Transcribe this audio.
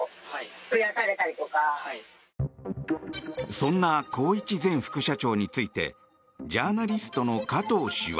そんな宏一前副社長についてジャーナリストの加藤氏は。